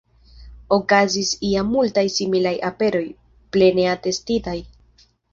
Okazis ja multaj similaj aperoj, plene atestitaj.